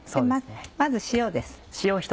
まず塩です。